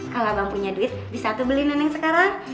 kalo abang punya duit bisa beliin nenek sekarang